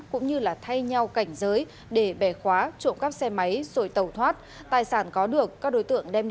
cũng như là thay nhau cảnh giới để bẻ khóa trộm cắp xe máy rồi tàu thoát tài sản có được các đối tượng đem